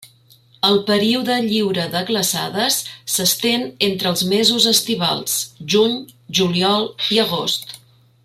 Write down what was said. El període lliure de glaçades s'estén entre els mesos estivals: juny, juliol i agost.